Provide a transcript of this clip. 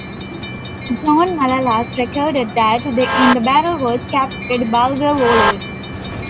John Malalas recorded that in the battle was captured Bulgar warlord.